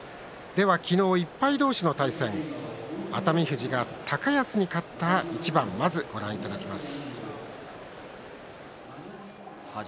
昨日、１敗同士の対戦熱海富士が高安に勝った一番まずご覧いただきます。